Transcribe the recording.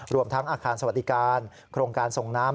รวมทั้งอาคารสวัสดิการโครงการส่งน้ำ